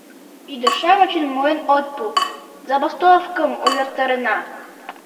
— Ӱдыр-шамычым муын от пу — забастовкым увертарена!